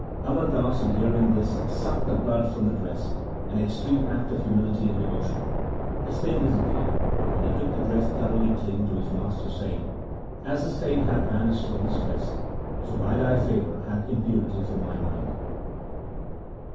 Amar Das, on hearing this, sucked the blood from the dress, an extreme act of humility and devotion. The stain disappeared, and he took the dress thoroughly clean to his master, saying, ' As the stain hath vanished from this dress, so by thy favour hath impurity from my mind.'